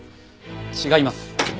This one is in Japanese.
違います。